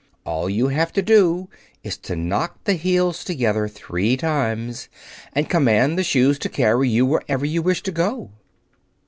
All you have to do is to knock the heels together three times and command the shoes to carry you wherever you wish to go."